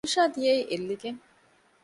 އިންޝާ ދިޔައީ އެއްލިގެން